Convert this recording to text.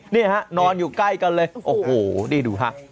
นี่ฮะนอนอยู่ใกล้กันเลยโอ้โหนี่ดูฮะ